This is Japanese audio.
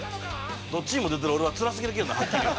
どっちにも出てる俺はつらすぎるけどな。